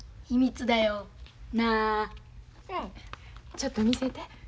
ちょっと見せて。